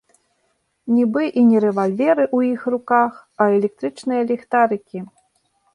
Нібы і не рэвальверы ў іх руках, а электрычныя ліхтарыкі.